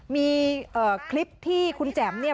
มีคลิปที่คุณแจ๋มเนี่ย